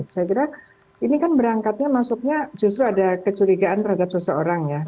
saya kira ini kan berangkatnya masuknya justru ada kecurigaan terhadap seseorang ya